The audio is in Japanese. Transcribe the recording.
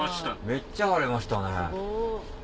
めっちゃ晴れましたね。